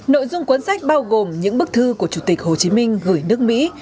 nội dung cuốn sách bao gồm những bức thư của chủ tịch hồ chí minh gửi nước mỹ